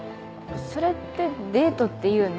それってデートって言うの？